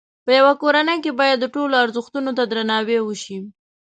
په یوه کورنۍ کې باید د ټولو ازرښتونو ته درناوی وشي.